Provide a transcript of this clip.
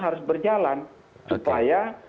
harus berjalan supaya